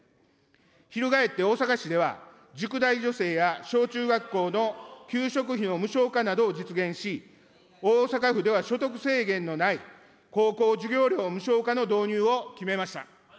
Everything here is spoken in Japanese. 翻って大阪市では、塾代助成や小中学校の給食費の無償化などを実現し、大阪府では所得制限のない高校授業料無償化の導入を決めました。